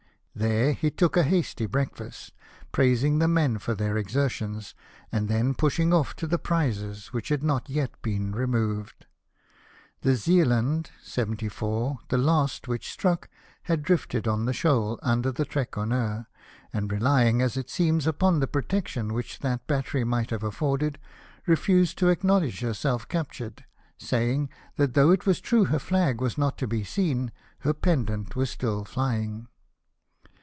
There he took a hasty breakfast, praising the men for their exertions, and then pushed off to the prizes, which had not yet been removed. The Zealand, 74, the last which struck, had drifted on the shoal under the Trekroner ; and relying as it seems, upon the protec tion which that battery might have afforded, refused to acknowledge herself captured, saying, that though it was true her flag was not to be seen, her pendant was still flying.